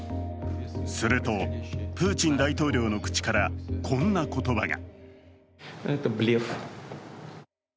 すると、プーチン大統領の口からこんな言葉が。